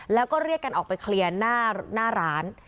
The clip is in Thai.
แล้วก็เรียกกันออกไปเคลียร์หน้าร้าน